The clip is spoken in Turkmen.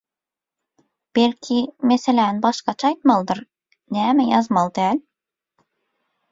Belki, meseläni başgaça aýtmalydyr – näme ýazmaly däl?